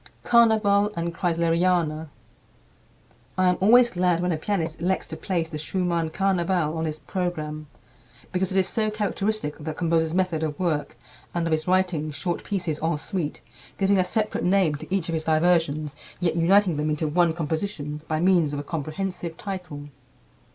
"Carnaval" and "Kreisleriana." I am always glad when a pianist elects to place the Schumann "Carnaval" on his program, because it is so characteristic of the composer's method of work and of his writing short pieces en suite, giving a separate name to each of his diversions yet uniting them into one composition by means of a comprehensive title.